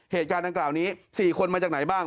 เหตุการณ์ดังกล่าวนี้๔คนมาจากไหนบ้าง